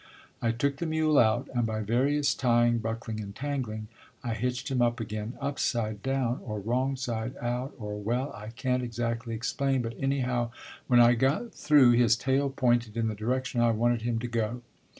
I took the mule out, and by various tying, buckling and tangling, I hitched him up again, upside down, or wrong side out, or, well, I can't exactly explain, but anyhow when I got through his tail pointed in the direction I wanted him to go.